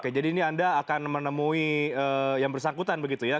oke jadi ini anda akan menemui yang bersangkutan begitu ya